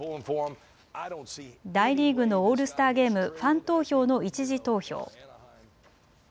大リーグのオールスターゲーム、ファン投票の１次投票。